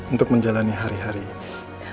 untuk menjalani hari hari ini